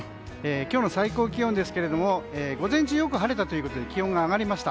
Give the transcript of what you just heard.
今日の最高気温ですが午前中よく晴れたということで気温が上がりました。